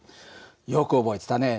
よく覚えてたね。